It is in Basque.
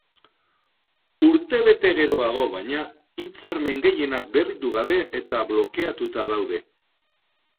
Urtebete geroago, baina, hitzarmen gehienak berritu gabe eta blokeatuta daude.